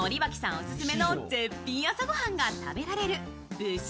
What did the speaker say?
オススメの絶品朝ご飯が食べられる節